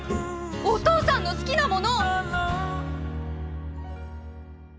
お父さんの好きなもの！